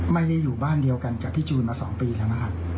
ไม่ได้อยู่บ้านเดียวกันกับพี่จูนมา๒ปีแล้วนะครับ